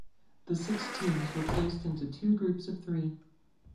The six teams were placed into two groups of three.